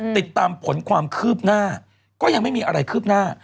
ติดตามผลความคืบหน้าก็ยังไม่มีอะไรคืบหน้า